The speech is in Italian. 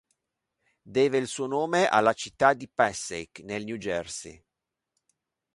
Deve il suo nome alla città di Passaic nel New Jersey.